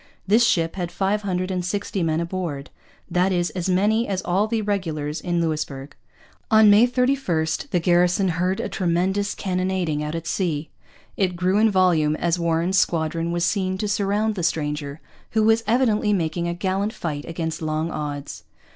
This ship had five hundred and sixty men aboard, that is, as many as all the regulars in Louisbourg. On May 31 the garrison heard a tremendous cannonading out at sea. It grew in volume as Warren's squadron was seen to surround the stranger, who was evidently making a gallant fight against long odds.